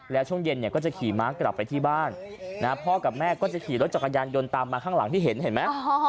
แล้วช่วงเย็นเนี่ยก็จะขี่ม้ากลับไปที่บ้านพ่อกับแม่ก็จะขี่รถจักรยานยนต์ตามมาข้างหลังที่เห็นเห็นไหม